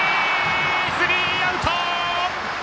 スリーアウト！